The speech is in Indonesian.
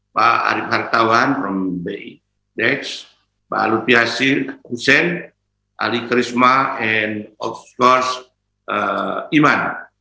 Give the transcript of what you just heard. pak arief hartawan from bei pak lupiasir hussein ali karisma and of course iman